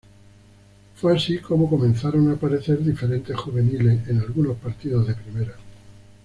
Fue así como comenzaron a aparecer diferentes juveniles en algunos partidos de primera.